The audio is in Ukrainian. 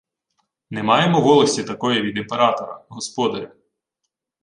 — Не маємо волості такої від імператора, господарю.